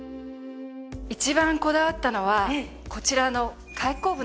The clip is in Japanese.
一番こだわったのはこちらの開口部なんです。